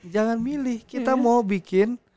jangan milih kita mau bikin